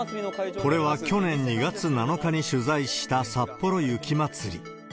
これは去年２月７日に取材したさっぽろ雪まつり。